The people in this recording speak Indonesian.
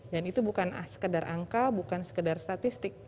itu bukan sekedar angka bukan sekedar statistik